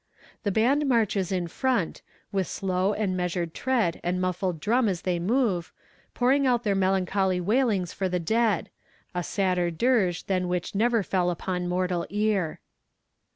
The band marches in front, with slow and measured tread and muffled drum they move, pouring out their melancholy wailings for the dead a sadder dirge than which never fell upon mortal ear.